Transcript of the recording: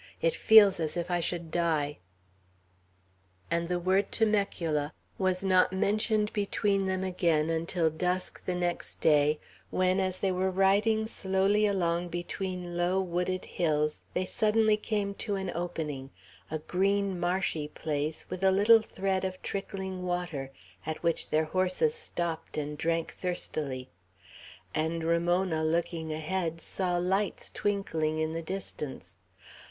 It feels as if I should die!" And the word "Temecula" was not mentioned between them again until dusk the next day, when, as they were riding slowly along between low, wooded hills, they suddenly came to an opening, a green, marshy place, with a little thread of trickling water, at which their horses stopped, and drank thirstily; and Ramona, looking ahead, saw lights twinkling in the distance.